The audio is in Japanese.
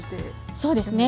そうですね。